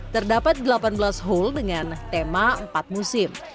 terdapat delapan belas hole dengan tema empat musim